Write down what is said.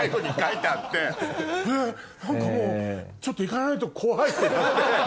うわっ何かもうちょっと行かないと怖い！ってなって。